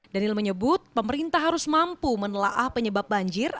daniel menyebut pemerintah harus mampu menelaah penyebab banjir